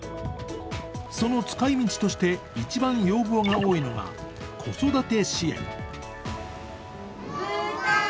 その使い道として一番要望が多いのが子育て支援。